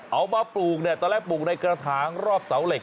เอามาปลูกเนี่ยตอนแรกปลูกในกระถางรอบเสาเหล็